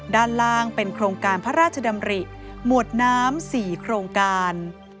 ด้านล่างเป็นโครงการพระราชดำริหมวดน้ำ๔โครงการ